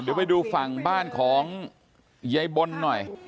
เดี๋ยวไปดูฝั่งบ้านของยายบนหน่อย